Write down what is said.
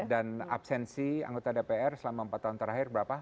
dan absensi anggota dpr selama empat tahun terakhir berapa